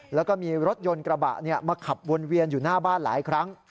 แล้วก็มีรถยนต์กระบะมาขับวนเวียนอยู่หน้าบ้านหลายครั้ง